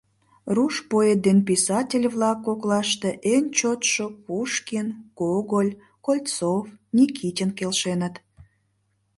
Руш поэт ден писатель-влак коклаште эн чотшо Пушкин, Гоголь, Кольцов, Никитин келшеныт.